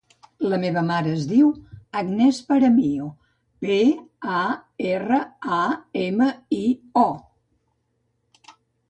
La meva mare es diu Agnès Paramio: pe, a, erra, a, ema, i, o.